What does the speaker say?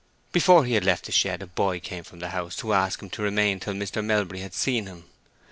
Before he had left the shed a boy came from the house to ask him to remain till Mr. Melbury had seen him.